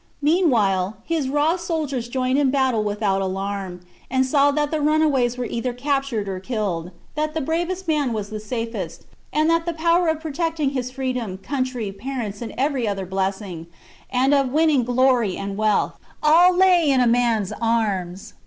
Mean while his raw soldiers joined in battle without alarm, and saw that the runaways were either captured or killed, that the bravest man was the safest, and that the power of protecting his freedom, country, parents, and every other blessing, and of winning glory and wealth, all lay in a man's arms.